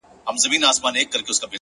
هوښیار انسان له فرصتونو ساتنه کوي.!